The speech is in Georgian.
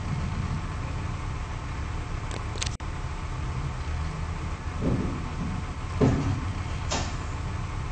ეკლესიიდან შემორჩენილია ჩრდილოეთ კედლის მცირე ნაწილი.